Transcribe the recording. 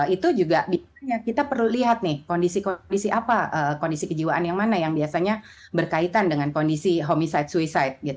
itu juga biasanya kita perlu lihat nih kondisi kondisi apa kondisi kejiwaan yang mana yang biasanya berkaitan dengan kondisi homeycide suicide gitu